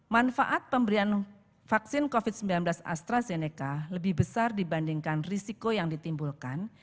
manfaat pemberian vaksin covid sembilan belas astrazeneca lebih besar dibandingkan risiko yang ditimbulkan